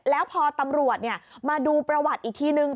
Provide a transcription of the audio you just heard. แล้วพอตำรวจมาดูประวัติอีกทีนึง